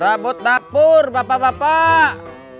rabot tapur bapak bapak